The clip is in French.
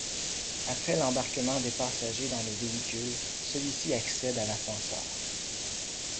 Après l'embarquement des passagers dans le véhicule, celui-ci accède à l'ascenseur.